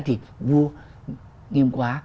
thì vua nghiêm quá